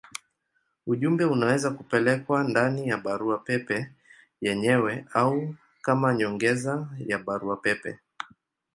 Ujumbe unaweza kupelekwa ndani ya barua pepe yenyewe au kama nyongeza ya barua pepe.